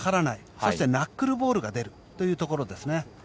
そしてナックルボールが出るところですね。